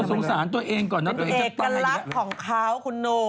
เธอสงสารตัวเองก่อนนะตอนนี้จะตายแล้วเป็นเอกลักษณ์ของเขาคุณโน้ม